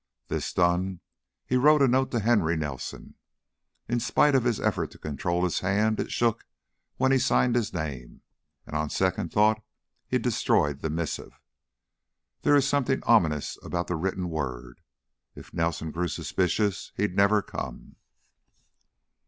This done, he wrote a note to Henry Nelson. In spite of his effort to control his hand, it shook when he signed his name, and on second thought he destroyed the missive. There is something ominous about the written word. If Nelson grew suspicious, he'd never come.